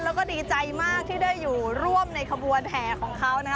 แล้วก็ดีใจมากที่ได้อยู่ร่วมในขบวนแห่ของเขานะคะ